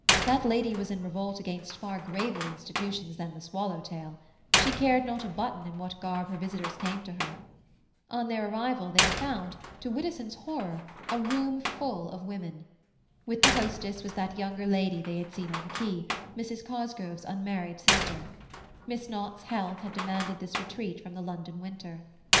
That lady was in revolt against far graver institutions than the swallow tail; she cared not a button in what garb her visitors came to her. On their arrival, they found, to Widdowson's horror, a room full of women. With the hostess was that younger lady they had seen on the quay, Mrs. Cosgrove's unmarried sister; Miss Knott's health had demanded this retreat from the London winter.